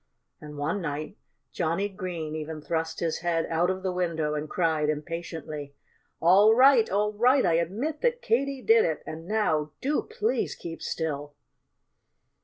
And one night Johnnie Green even thrust his head out of the window and cried impatiently: "All right! All right! I admit that Katy did it. And now do please keep still!"